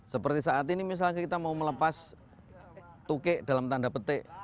seperti saat ini misalnya kita mau melepas tukek dalam tanda petik